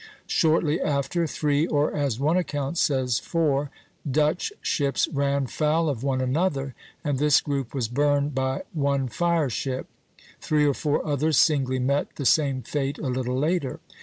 Shortly after, three, or as one account says four, Dutch ships ran foul of one another, and this group was burned by one fire ship; three or four others singly met the same fate a little later.